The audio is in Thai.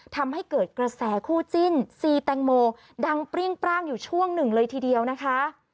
ทำให้เกิดกระแสคู่จิ้นซีแตงโมดังเปรี้ยงปร่างอยู่ช่วงหนึ่งเลยทีเดียวนะคะ